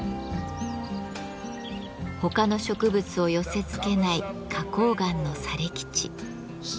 他の植物を寄せつけない花崗岩の砂礫地。